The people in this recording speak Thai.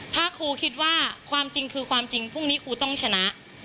ถ้าครูคิดว่าความจริงคือความจริงพรุ่งนี้ครูต้องชนะ